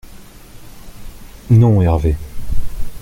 —«Non, Hervé.